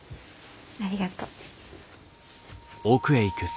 ありがとう。